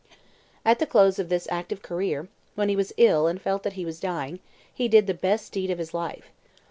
At the close of this active career, when he was ill and felt that he was dying, he did the best deed of his life.